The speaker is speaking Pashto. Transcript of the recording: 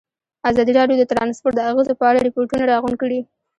ازادي راډیو د ترانسپورټ د اغېزو په اړه ریپوټونه راغونډ کړي.